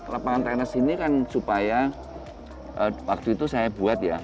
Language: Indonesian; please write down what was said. lapangan tenis ini kan supaya waktu itu saya buat ya